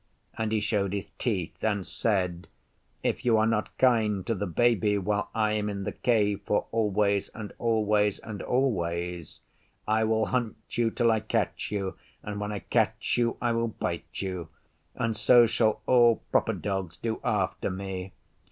And he showed his teeth and said, 'If you are not kind to the Baby while I am in the Cave for always and always and always, I will hunt you till I catch you, and when I catch you I will bite you. And so shall all proper Dogs do after me.